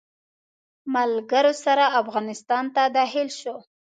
ملګرو سره افغانستان ته داخل شو.